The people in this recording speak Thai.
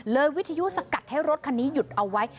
วิทยุสกัดให้รถคันนี้หยุดเอาไว้